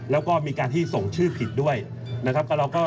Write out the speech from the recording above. แล้วก็มีการที่ส่งชื่อผิดด้วยนะครับ